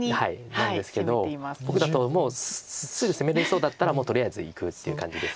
なんですけど僕だともうすぐ攻めれそうだったらもうとりあえずいくっていう感じです。